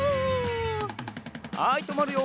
はいとまるよ。